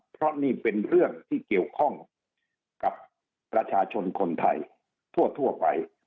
เพราะนี่เป็นเรื่องที่เกี่ยวข้องกับประชาชนคนไทยทั่วไป